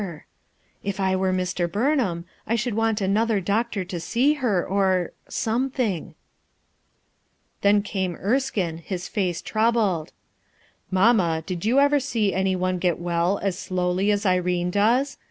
A STRANGE CHANGE 343 If I were Mr. Burnham, I should want another doctor to sec her, or — something.' ' Ifcen came Erskine, his faco troubled, "Mamma, did you ever sec any one get well g slowly as Irene does?